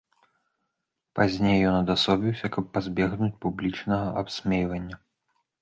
Пазней ён адасобіўся, каб пазбегнуць публічнага абсмейвання.